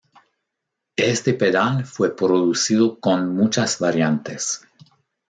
Este pedal fue producido con muchas variantes.